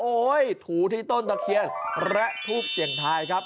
โอ๊ยถูที่ต้นตะเคียนและทูบเจนทายครับ